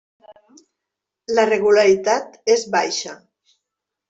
La regularitat és baixa.